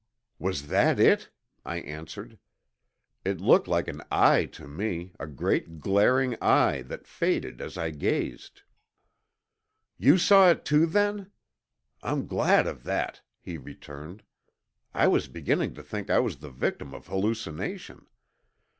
"Was that it?" I answered. "It looked like an eye to me, a great glaring eye that faded as I gazed." "You saw it too, then? I'm glad of that," he returned. "I was beginning to think I was the victim of hallucination.